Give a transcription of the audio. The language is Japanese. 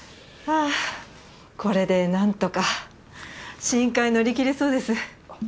はぁこれでなんとか試飲会乗り切れそうです。